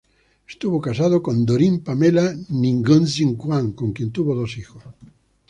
Estuvo casado con Doreen Pamela Ng-See-Quan, con quien tuvo dos hijos.